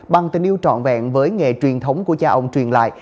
bằng tình yêu trọn vẹn với nghề truyền thống của cha ông truyền lại